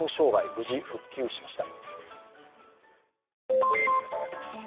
無事、復旧しました。